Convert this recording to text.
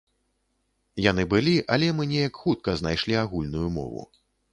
Яны былі, але мы неяк хутка знайшлі агульную мову.